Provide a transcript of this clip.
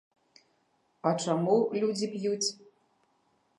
А чаму людзі п'юць?